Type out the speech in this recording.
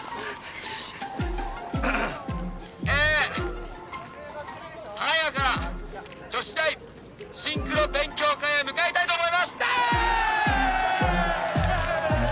「えーただ今から女子大シンクロ勉強会へ向かいたいと思います」